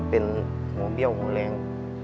มันเป็นหูเบี้ยวหูแรง